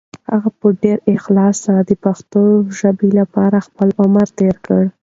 هغه په ډېر اخلاص سره د پښتو ژبې لپاره خپل عمر تېر کړ.